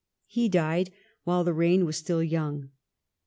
He died while the reign was still young.